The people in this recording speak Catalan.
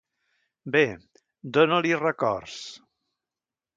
Bé, dona-li records.